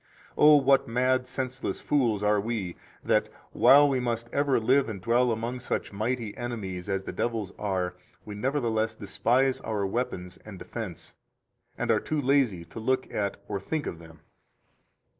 15 Oh, what mad, senseless fools are we that, while we must ever live and dwell among such mighty enemies as the devils are, we nevertheless despise our weapons and defense, and are too lazy to look at or think of them!